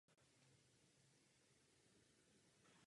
Je součástí provincie Severní Moluky.